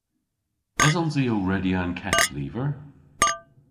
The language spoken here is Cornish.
Esons i ow redya an keth lyver?